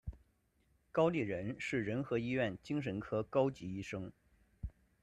高立仁是仁和医院精神科高级医生。